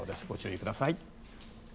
ご注意ください。